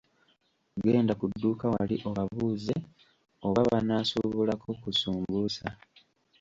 Genda ku dduuka wali obabuuze oba banaasuubulako ku sumbuusa.